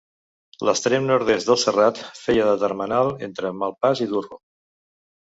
L'extrem nord-est del serrat feia de termenal entre Malpàs i Durro.